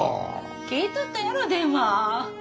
聞いとったやろ電話。